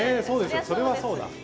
そうですよそれはそうだ。